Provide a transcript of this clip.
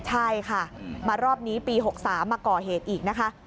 ใช่ค่ะมารอบนี้ปี๖๓มาก่อเหตุอีกนะคะ